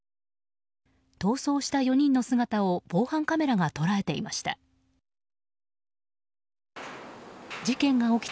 逃走した４人の姿を防犯カメラが捉えていました。